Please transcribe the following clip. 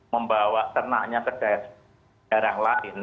membawa ternaknya ke daerah lain